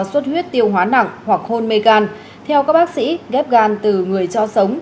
suốt huyết tiêu hóa nặng hoặc hôn mê gan theo các bác sĩ ghép gan từ người cho sống